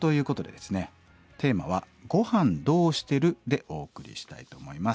テーマは「ごはんどうしてる？」でお送りしたいと思います。